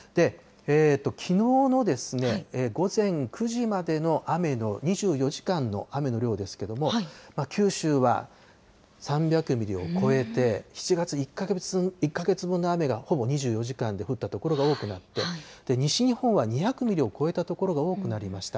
きのうの午前９時までの雨の２４時間の雨の量ですけども、九州は３００ミリを超えて、７月１か月分の雨がほぼ２４時間で降った所が多くなって、西日本は２００ミリを超えた所が多くなりました。